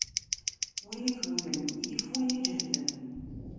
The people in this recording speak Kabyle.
Win itewlen yif win iǧehden.